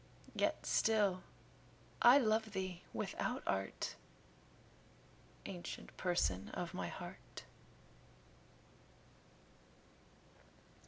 Yet still I love thee without art, Ancient Person of my heart.